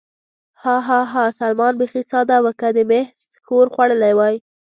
ها، ها، ها، سلمان بېخي ساده و، که دې محض ښور خوړلی وای.